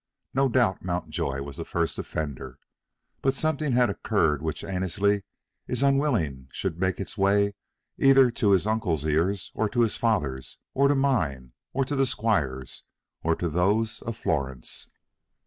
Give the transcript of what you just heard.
No doubt Mountjoy was the first offender, but something had occurred which Annesley is unwilling should make its way either to his uncle's ears, or to his father's, or to mine, or to the squire's, or to those of Florence."